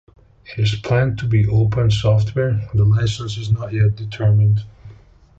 It is planned to be open software; the license is not yet determined.